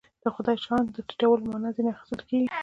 د خدای د شأن د ټیټولو معنا ځنې اخیستل کېږي.